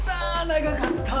長かった！